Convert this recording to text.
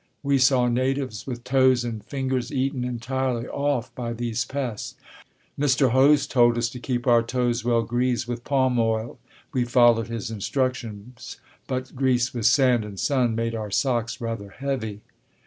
We saw natives with toes and fingers eaten entirely off by these pests. Mr. Hoste told us to keep our toes well greased with palm oil. We followed his instructions, but grease with sand and sun made our socks rather "heavy."